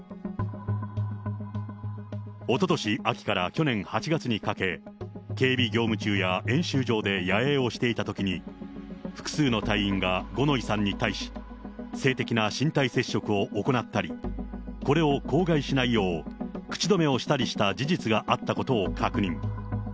おととし秋から去年８月にかけ、警備業務中や演習場で野営をしていたときに、複数の隊員が五ノ井さんに対し、性的な身体接触を行ったり、これを口外しないよう口止めをしたりした事実があったことを確認。